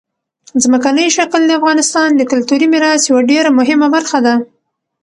ځمکنی شکل د افغانستان د کلتوري میراث یوه ډېره مهمه برخه ده.